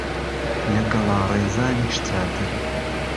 له گهڵارێزانیش چاتر